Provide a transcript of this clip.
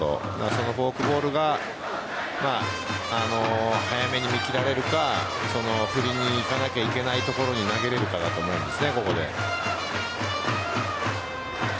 そのフォークボールが早めに見切られるか振りにいかなきゃいけないところに投げられるかだと思います。